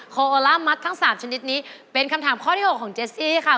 โอล่ามัดทั้ง๓ชนิดนี้เป็นคำถามข้อที่๖ของเจสซี่ค่ะ